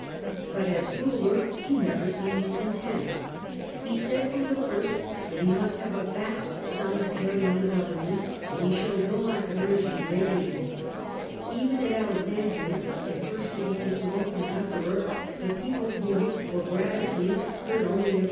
But as ruler he never seemed content. He said But he must have a vast sum needed and to Carry on the government, and he showed fargere no lack of energy in raising it. Even at venue, Alexandria, the first city to salute him Empe ror, the people who looked tor gratitude heard only of A.